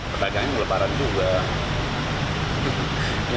pedagangnya melebaran juga